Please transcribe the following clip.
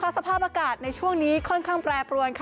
สภาพอากาศในช่วงนี้ค่อนข้างแปรปรวน